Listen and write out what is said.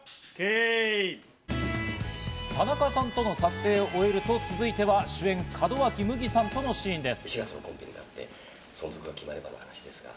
田中さんとの撮影を終えると続いては主演・門脇麦さんとのシーンです。